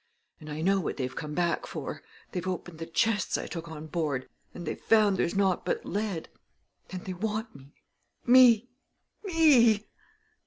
And I know what they've come back for! they've opened the chests I took on board, and they've found there's naught but lead. And they want me me! me!